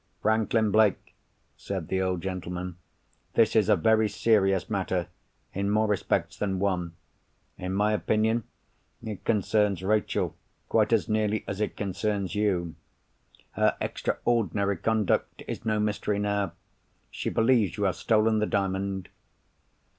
"Franklin Blake," said the old gentleman, "this is a very serious matter, in more respects than one. In my opinion, it concerns Rachel quite as nearly as it concerns you. Her extraordinary conduct is no mystery now. She believes you have stolen the Diamond."